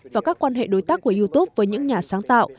và các quan hệ đối tác của youtube với những nhà sáng tạo